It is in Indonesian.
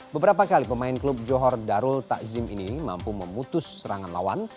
beberapa kali pemain klub johor darul takzim ini mampu memutus serangan lawan